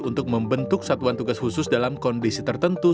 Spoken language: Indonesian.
untuk membentuk satuan tugas khusus dalam kondisi tertentu